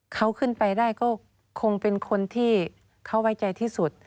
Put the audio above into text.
เขาขึ้นไปได้ก็คงเป็นคนที่เขาไว้ใจที่สุด